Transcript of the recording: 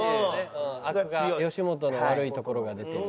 吉本の悪いところが出てる。